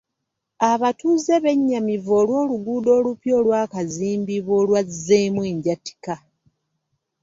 Abatuuze bennyamivu olw'oluguudo olupya olwakazimbibwa olwazzeemu enjatika.